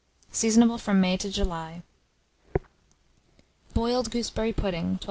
Seasonable from May to July. BOILED GOOSEBERRY PUDDING. 1284.